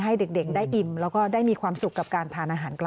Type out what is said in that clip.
ให้เด็กได้อิ่มแล้วก็ได้มีความสุขกับการทานอาหารกลาง